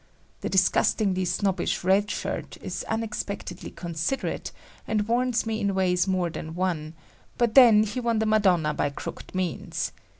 The disgustingly snobbish Red Shirt is unexpectedly considerate and warns me in ways more than one, but then he won the Madonna by crooked means.